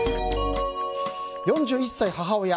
４１歳、母親。